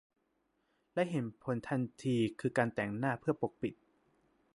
และเห็นผลทันทีคือการแต่งหน้าเพื่อปกปิด